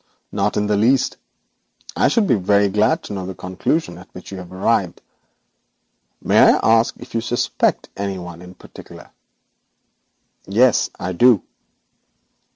'None in the least. I should be very glad to know the conclusion at which you have arrived. May I ask if you suspect any one in particular?' 'Yes, I do.'